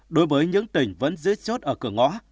đối với những tỉnh vẫn dễ chốt ở cửa ngõ